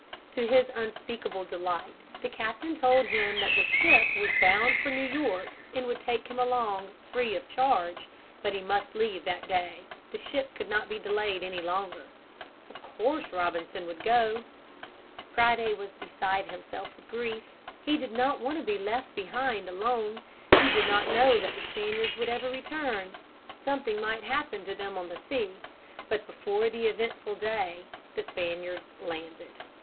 To his unspeakable delight the captain told him that the ship was bound for New York and would take him along free of charge, but he must leave that day. The ship could not be delayed any longer. Of course Robinson would go. Friday was beside himself with grief. He did not want to be left behind alone. He did not know that the Spaniards would ever return. Something might happen to them on the sea. But before the eventful day the Spaniards landed.